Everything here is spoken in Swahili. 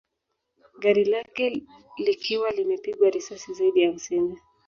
Gari lake likiwa limepigwa risasi zaidi ya hamsini